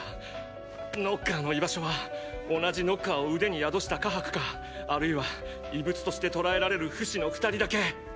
ノッカーの居場所は同じノッカーを腕に宿したカハクかあるいは異物としてとらえられるフシの二人だけ！